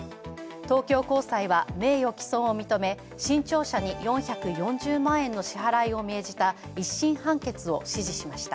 東京高裁は名誉毀損を認め、新潮社に４４０万円の支払いを命じた１審判決を支持しました。